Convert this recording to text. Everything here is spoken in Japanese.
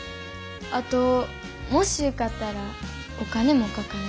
あともし受かったらお金もかかんねん。